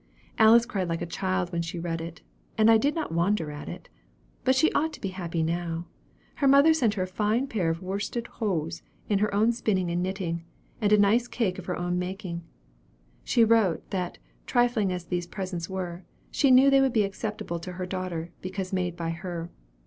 Alice cried like a child when she read it, and I did not wonder at it. But she ought to be happy now. Her mother sent her a fine pair of worsted hose of her own spinning and knitting, and a nice cake of her own making. She wrote, that, trifling as these presents were, she knew they would be acceptable to her daughter, because made by her.